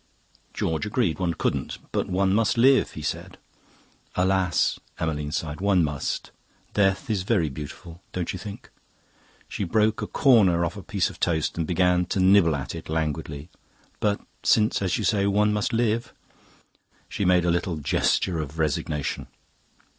"George agreed; one couldn't. 'But one must live,' he said. "'Alas!' Emmeline sighed. 'One must. Death is very beautiful, don't you think?' She broke a corner off a piece of toast and began to nibble at it languidly. 'But since, as you say, one must live...' She made a little gesture of resignation.